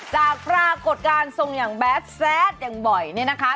จากปรากฏการณ์ทรงอย่างแบดแซดอย่างบ่อยเนี่ยนะคะ